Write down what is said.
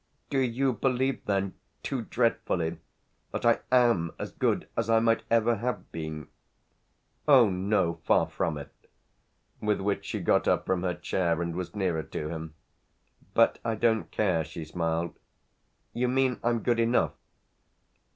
"Do you believe then too dreadfully! that I am as good as I might ever have been?" "Oh no! Far from it!" With which she got up from her chair and was nearer to him. "But I don't care," she smiled. "You mean I'm good enough?"